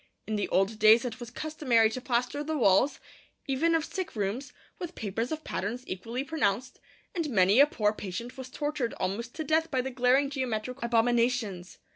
In the old days it was customary to plaster the walls, even of sick rooms, with papers of patterns equally pronounced, and many a poor patient was tortured almost to death by the glaring geometrical abominations.